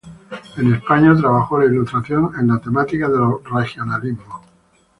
En España trabajó la ilustración en la temática de los regionalismos.